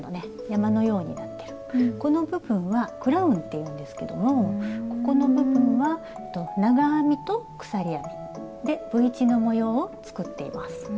山のようになってるこの部分は「クラウン」っていうんですけどもここの部分は長編みと鎖編みでＶ字の模様を作っています。